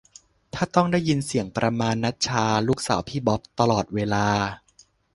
ถ้าต้องได้ยินเสียงประมาณนัทชาลูกสาวพี่บ๊อบตลอดเวลา